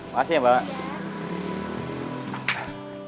makasih ya bapak